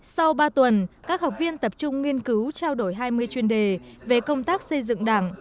sau ba tuần các học viên tập trung nghiên cứu trao đổi hai mươi chuyên đề về công tác xây dựng đảng